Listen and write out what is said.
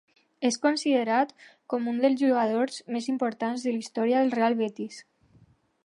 És considerat com un dels jugadors més importants de la història del Real Betis.